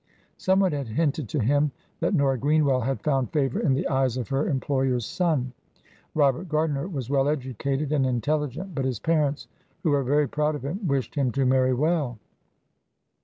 Some one had hinted to him that Nora Greenwell had found favour in the eyes of her employer's son. Robert Gardiner was well educated and intelligent, but his parents, who were very proud of him, wished him to marry well.